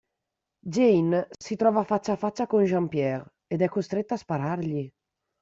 Jane si trova faccia a faccia con Jean-Pierre ed è costretta a sparargli.